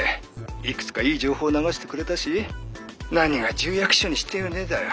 いくつかいい情報流してくれたし何が『重役秘書にしてよね』だよ。